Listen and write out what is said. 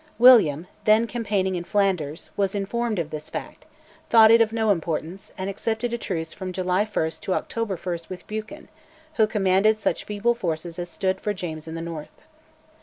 William, then campaigning in Flanders, was informed of this fact, thought it of no importance, and accepted a truce from July 1 to October 1 with Buchan, who commanded such feeble forces as still stood for James in the north.